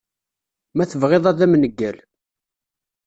Ma tebɣiḍ ad am-neggal.